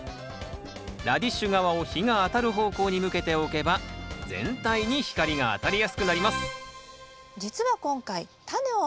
ラディッシュ側を日が当たる方向に向けて置けば全体に光が当たりやすくなります